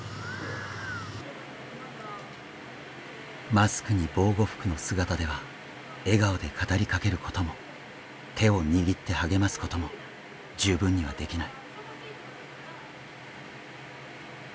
マスクに防護服の姿では笑顔で語りかけることも手を握って励ますことも十分にはできない。